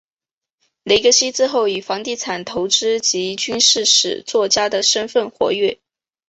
格雷西之后以房地产投资及军事史作家的身分活跃。